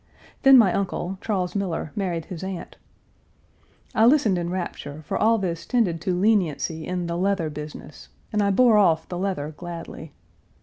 Then my uncle, Charles Miller, married his aunt. I listened in rapture, for all this tended to leniency in the leather business, and I bore off the leather gladly.